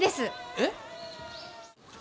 えっ？